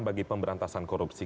bagi pemberantasan korupsi